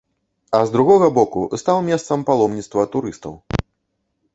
А з другога боку, стаў месцам паломніцтва турыстаў.